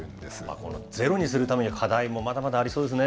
これ、ゼロにするためには、課題もまだまだありそうですね。